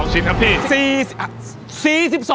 ชิ้นครับพี่